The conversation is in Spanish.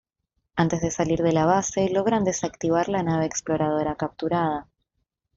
Antes de salir de la base, logran desactivar la nave exploradora capturada.